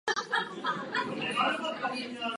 Na rozdíl od konkurentů nabízí i posuvné střešní okno.